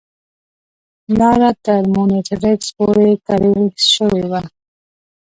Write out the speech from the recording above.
لاره تر مونیټریکس پورې کریړ شوې وه.